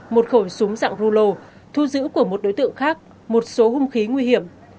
một khẩu súng dạng rulo thu giữ của một đối tượng khác một số hung khí nguy hiểm